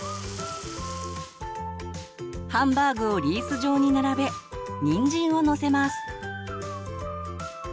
ハンバーグをリース状に並べにんじんをのせます。